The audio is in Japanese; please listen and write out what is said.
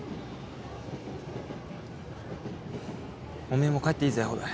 おめえも帰っていいぜ伍代。